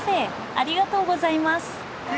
ありがとうございます。